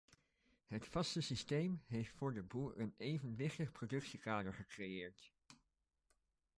Het vaste systeem heeft voor de boer een evenwichtig productiekader gecreëerd.